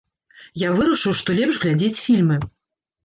Я вырашыў, што лепш глядзець фільмы.